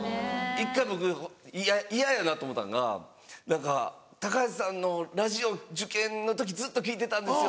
１回僕嫌やなと思ったんが何か「高橋さんのラジオ受験の時ずっと聴いてたんですよ。